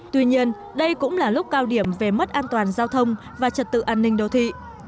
tuy nhiên đây cũng là lúc cao điểm về mất an toàn giao thông và trật tự an ninh đô thị